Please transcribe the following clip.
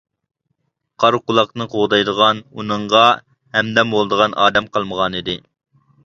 قارا قۇلاقنى قوغدايدىغان، ئۇنىڭغا ھەمدەم بولىدىغان ئادەم قالمىغانىدى.